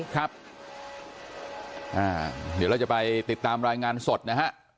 ครับเดี๋ยวเราจะไปติดตามรายงานสดนะฮะ